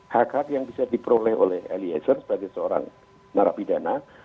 hak hak yang bisa diperoleh oleh eliezer sebagai seorang narapidana